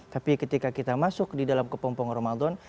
tapi ketika kita masuk di dalam kepompong ramadan